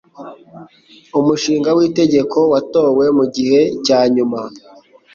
Umushinga w'itegeko watowe mugihe cyanyuma.